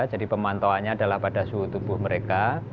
jadi pemantauannya adalah pada suhu tubuh mereka